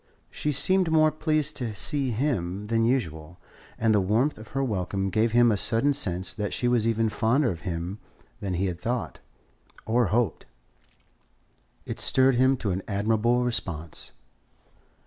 She seemed more pleased to see him than usual, and the warmth of her welcome gave him a sudden sense that she was even fonder of him than he had thought, or hoped. It stirred him to an admirable response.